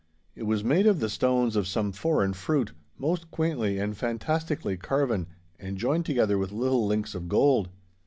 It was made of the stones of some foreign fruit, most quaintly and fantastically carven and joined together with little links of gold.